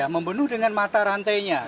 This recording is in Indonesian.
membunuh dengan mata rantainya